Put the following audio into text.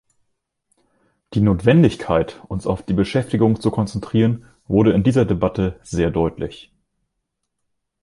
Die Notwendigkeit, uns auf die Beschäftigung zu konzentrieren, wurde in dieser Debatte sehr deutlich.